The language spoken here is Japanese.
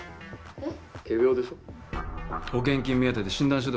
えっ？